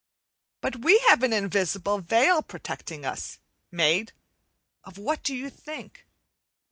But we have an invisible veil protecting us, made of what do you think?